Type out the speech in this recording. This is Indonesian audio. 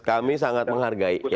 kami sangat menghargai